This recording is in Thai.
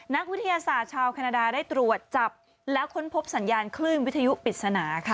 นักวิทยาศาสตร์ชาวแคนาดาได้ตรวจจับแล้วค้นพบสัญญาณคลื่นวิทยุปริศนาค่ะ